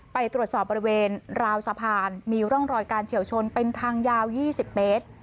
ไปตรวจสอบบริเวณราวสะพานมีร่องรอยการเฉียวชนเป็นทางยาว๒๐เมตร